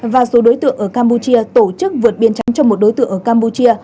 và số đối tượng ở campuchia tổ chức vượt biên trắng cho một đối tượng ở campuchia